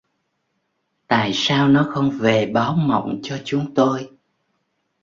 Tại sao nó không về báo mộng cho chúng tôi